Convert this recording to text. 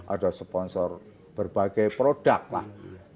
ada sponsor berbagai produk lah